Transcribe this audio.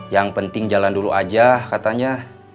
yang penting jalan dulu aja katanya